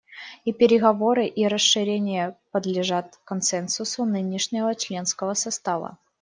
И переговоры, и расширение подлежат консенсусу нынешнего членского состава.